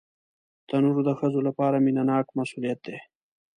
تنور د ښځو لپاره مینهناک مسؤلیت دی